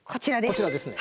こちらですね。